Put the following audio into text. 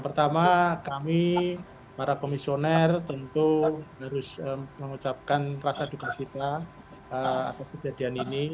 pertama kami para komisioner tentu harus mengucapkan rasa duka kita atas kejadian ini